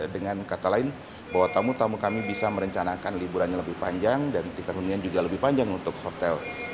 dengan kata lain bahwa tamu tamu kami bisa merencanakan liburannya lebih panjang dan tingkat hunian juga lebih panjang untuk hotel